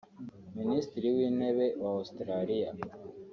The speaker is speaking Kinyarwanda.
Minisitri w’Intebe wa Australia